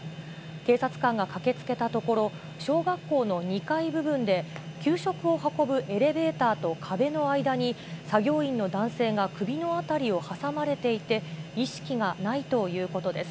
警察官が駆けつけたところ、小学校の２階部分で、給食を運ぶエレベーターと壁の間に、作業員の男性が首の辺りを挟まれていて、意識がないということです。